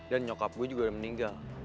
dan nyokap gue juga udah meninggal